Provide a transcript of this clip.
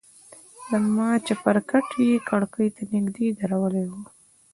زما چپرکټ يې کړکۍ ته نژدې درولى و.